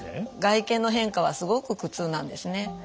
外見の変化はすごく苦痛なんですね。